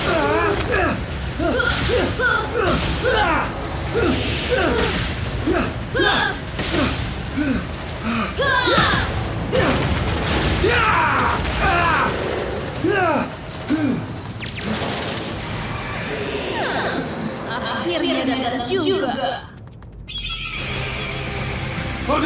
akhirnya kau juga mendatang